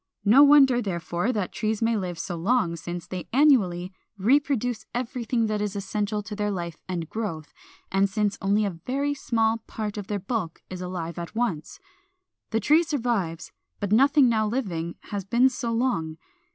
No wonder, therefore, that trees may live so long, since they annually reproduce everything that is essential to their life and growth, and since only a very small part of their bulk is alive at once. The tree survives, but nothing now living has been so long.